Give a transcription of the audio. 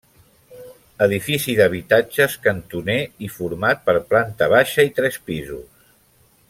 Edifici d'habitatges cantoner i format per planta baixa i tres pisos.